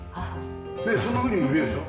そんなふうにも見えるでしょ？